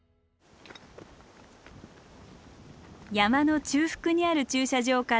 山の中腹にある駐車場から登山開始。